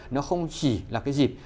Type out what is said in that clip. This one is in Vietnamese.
nó không chỉ là dịp